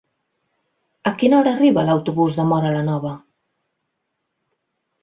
A quina hora arriba l'autobús de Móra la Nova?